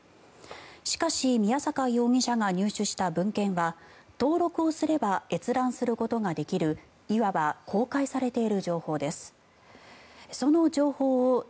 しかし宮坂容疑者が入手した文献は登録をすれば閲覧することができるいわば公開されている情報です。